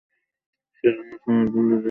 সেইজন্য সমাজ বলে যে, ঐখানেই উহা বন্ধ করিয়া দাও।